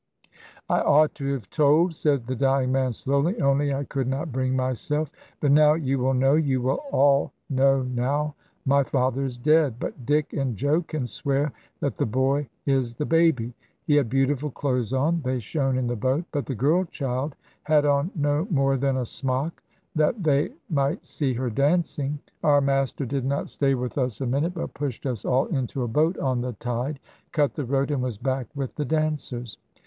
"I ought to have told," said the dying man slowly; "only I could not bring myself. But now you will know, you will all know now. My father is dead; but Dick and Joe can swear that the boy is the baby. He had beautiful clothes on, they shone in the boat; but the girl child had on no more than a smock, that they might see her dancing. Our master did not stay with us a minute, but pushed us all into a boat on the tide, cut the rope, and was back with the dancers.